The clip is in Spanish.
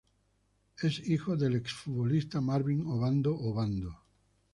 Es hijo del ex futbolista Marvin Obando Obando.